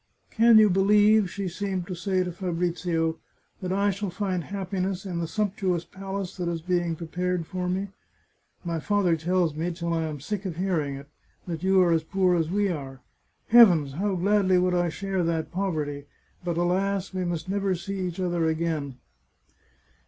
" Can you believe," she seemed to say to Fabrizio, " that I shall find happiness in the sumptuous palace that is being prepared for me ? My father tells me, till I am sick of hearing it, that you are as poor as we are. Heavens ! how gladly would I share that poverty ! But, alas, we must never see each other again